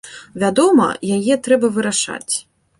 Вядома, яе трэба вырашаць.